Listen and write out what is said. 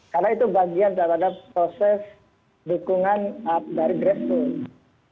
karena itu bagian terhadap proses dukungan dari grassroot